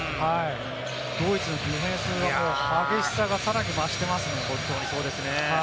ドイツのディフェンスも激しさがかなり増してますね。